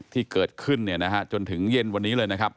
ที่เกิดขึ้นจนถึงเย็นวันนี้เลยนะครับ